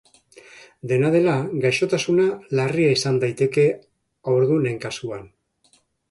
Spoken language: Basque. Dena dela, gaixotasuna larria izan daiteke haurdunen kasuan.